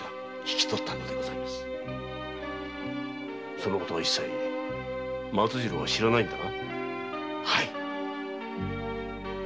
その事は一切松次郎は知らないのだな。